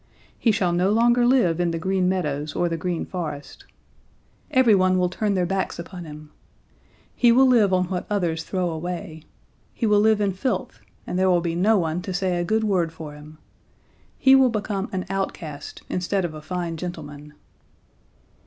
He shall no longer live in the Green Meadows or the Green Forest. Everyone will turn their backs upon him. He will live on what others throw away. He will live in filth and there will be no one to say a good word for him. He will become an outcast instead of a fine gentleman.'